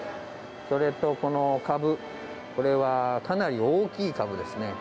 それと、このカブ、これはかなり大きいカブですね。